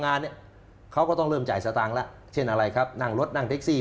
งานเนี่ยเขาก็ต้องเริ่มจ่ายสตางค์แล้วเช่นอะไรครับนั่งรถนั่งแท็กซี่